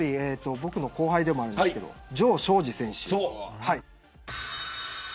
僕の後輩でもあるんですけど城彰二選手。